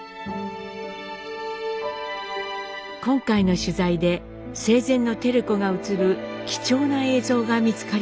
今回の取材で生前の照子が映る貴重な映像が見つかりました。